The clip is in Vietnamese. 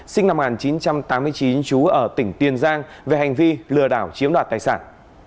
sinh năm một nghìn chín trăm tám mươi chín chú ở tỉnh tiền giang về hành vi lừa đảo chiếm đoạt tài sản